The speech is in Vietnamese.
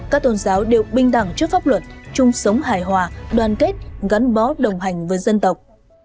các tôn giáo đều bình đẳng trước pháp luật chung sống hài hòa đoàn kết gắn bó đồng hành với dân tộc